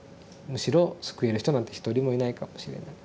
むしろ救える人なんて一人もいないかもしれない。